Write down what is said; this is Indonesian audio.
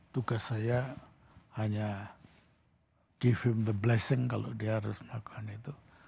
tugas saya hanya giving the blessing kalau dia harus melakukan itu